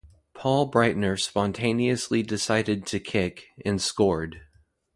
Paul Breitner spontaneously decided to kick, and scored.